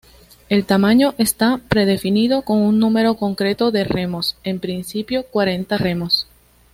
El tamaño está predefinido con un número concreto de remos, en principio cuarenta remos.